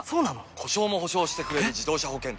故障も補償してくれる自動車保険といえば？